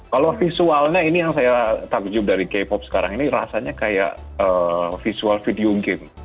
kalau visualnya ini yang saya takjub dari k pop sekarang ini rasanya kayak visual video game